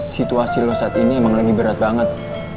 situasi lo saat ini emang lagi berat banget